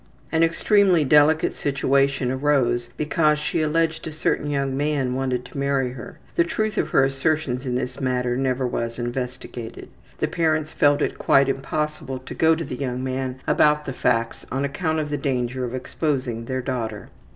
An extremely delicate situation arose because she alleged a certain young man wanted to marry her. The truth of her assertions in this matter never was investigated. The parents felt it quite impossible to go to the young man about the facts on account of the danger of exposing their daughter.